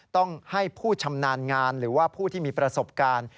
ต้องให้ผู้ชำนาญงานหรือว่าผู้ที่มีประสบการณ์